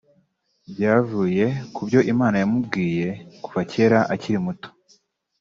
byavuye ku byo Imana yamubwiye kuva kera akiri umwana muto